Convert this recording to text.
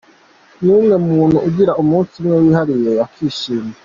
Nka kumwe umuntu agira umunsi umwe wihariye akishima.